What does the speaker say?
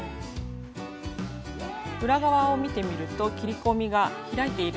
裏側を見てみると切り込みが開いているのが分かります。